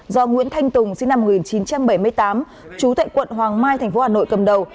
do nguyễn thanh tùng sinh năm một nghìn chín trăm bảy mươi tám trú tại quận hoàng mai tp hà nội cầm đầu